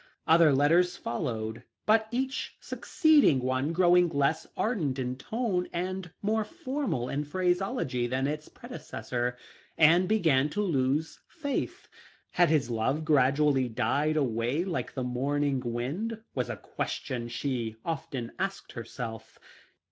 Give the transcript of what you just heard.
Other letters followed ; but each succeeding one growing less ardent in tone, and more formal in phraseology than its predecessor, Anne began to lose faith. Had his love gradually died away like the morning wind? was a question she often asked herself.